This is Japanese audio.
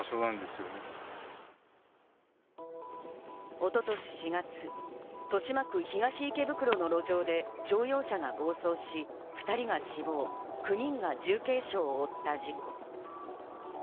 一昨年４月、豊島区東池袋の路上で乗用車が暴走し、２人が死亡、９人が重軽傷を負った事故。